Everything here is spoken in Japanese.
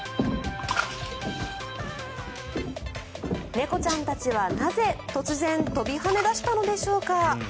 猫ちゃんたちはなぜ突然跳びはね出したのでしょうか。